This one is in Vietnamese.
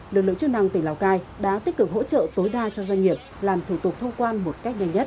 lực lượng chức năng tỉnh lào cai đã tích cực hỗ trợ tối đa cho doanh nghiệp làm thủ tục thông quan một cách nhanh nhất